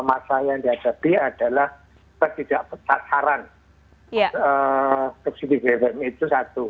masa yang dihadapi adalah ketidakpesasaran ke siti bbm itu satu